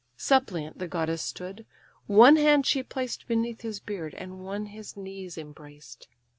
Suppliant the goddess stood: one hand she placed Beneath his beard, and one his knees embraced.